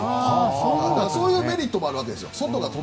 だから、そういうメリットもあるわけです。